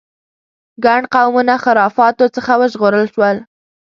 ګڼ قومونه خرافاتو څخه وژغورل شول.